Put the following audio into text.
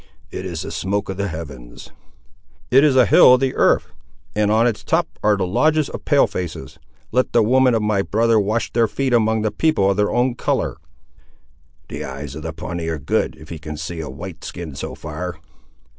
It is the smoke of the heavens." "It is a hill of the earth, and on its top are the lodges of Pale faces! Let the women of my brother wash their feet among the people of their own colour." "The eyes of a Pawnee are good, if he can see a white skin so far."